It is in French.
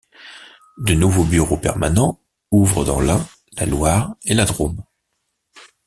De nouveaux bureaux permanents ouvrent dans l'Ain, la Loire et la Drôme.